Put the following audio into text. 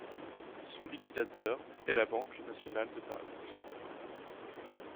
Son liquidateur est la Banque nationale de Paris.